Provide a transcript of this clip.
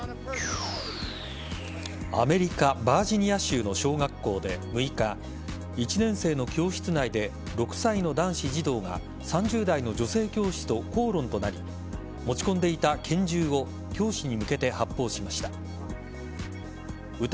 アメリカ・バージニア州の小学校で６日１年生の教室内で６歳の男子児童が３０代の女性教師と口論となり持ち込んでいた拳銃を教師に向けて発砲しました。